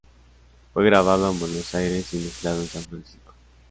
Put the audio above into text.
Fue grabado en Buenos Aires y mezclado en San Francisco.